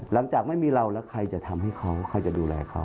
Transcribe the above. หลังจากไม่มีเราแล้วใครจะทำให้เขาใครจะดูแลเขา